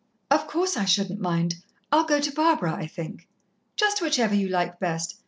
"Of course, I shouldn't mind. I'll go to Barbara, I think." "Just whichever you like best.